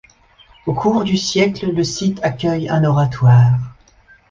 Au cours du siècle, le site accueille un oratoire.